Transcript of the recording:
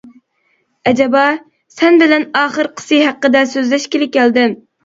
-ئەجەبا. ؟ -سەن بىلەن ئاخىرقىسى ھەققىدە سۆزلەشكىلى كەلدىم.